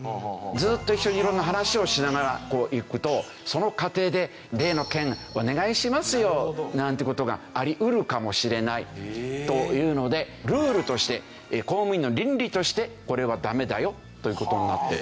ずっと一緒に色んな話をしながら行くとその過程で「例の件お願いしますよ」なんて事があり得るかもしれないというのでルールとして公務員の倫理としてこれはダメだよという事になって。